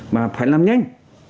mà phải làm nhanh